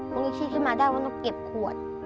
มันก็คิดขึ้นมาได้ว่าต้องเก็บขวด